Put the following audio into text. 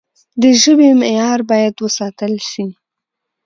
د ژبي معیار باید وساتل سي.